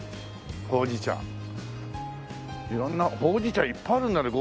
「ほうじ茶」色んなほうじ茶いっぱいあるんだね。